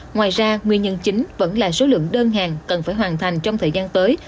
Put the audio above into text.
ngoài ra nguyên nhân chính vẫn là số lượng đơn hàng cần phải hoàn thành trong thời gian tới